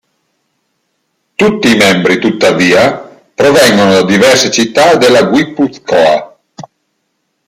Tutti i membri, tuttavia, provengono da diverse città della Guipúzcoa.